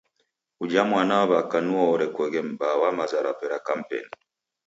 Uja mwanaw'aka nuo orekoghe mbaa wa maza rape ra kampeni.